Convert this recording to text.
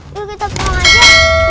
yuk kita pulang aja